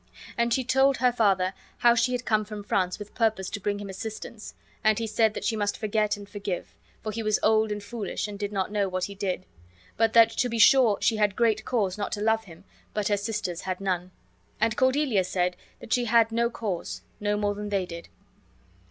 And she told her father how she had come from France with purpose to bring him assistance; and he said that she must forget and forgive, for he was old and foolish and did not know what he did; but that to be sure she had great cause not to love him, but her sisters had none. And Cordelia said that she had no cause, no more than they had.